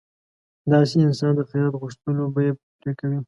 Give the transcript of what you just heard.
داسې انسان د خیرات غوښتلو بیه پرې کوي.